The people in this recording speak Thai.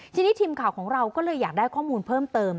ทีนี้ทีมข่าวของเราก็เลยอยากได้ข้อมูลเพิ่มเติม